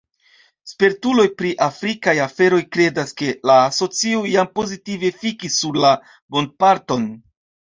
Spertuloj pri afrikaj aferoj kredas, ke la asocio jam pozitive efikis sur la mondparton.